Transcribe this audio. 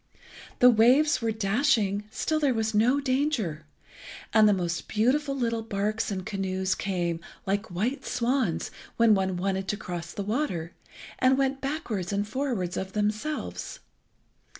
The waves were dashing, still there was no danger, and the most beautiful little barks and canoes came, like white swans, when one wanted to cross the water, and went backwards and forwards of themselves.